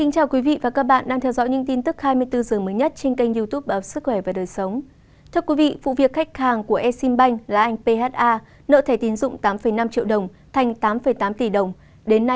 các bạn hãy đăng ký kênh để ủng hộ kênh của chúng mình nhé